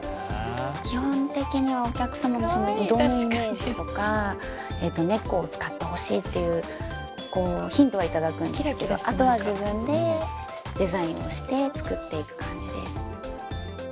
基本的にはお客様の色のイメージとか猫を使ってほしいっていうヒントは頂くんですけどあとは自分でデザインをして作っていく感じです